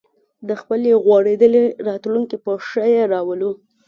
د خپلې غوړېدلې راتلونکې په ښه یې راولو